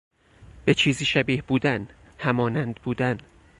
به چیزی شبیه بودن، همانند بودن